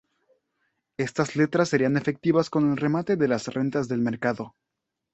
Estas letras serían efectivas con el remate de las rentas del Mercado.